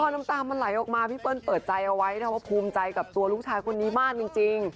น้ำตามันไหลออกมาพี่เปิ้ลเปิดใจเอาไว้นะว่าภูมิใจกับตัวลูกชายคนนี้มากจริง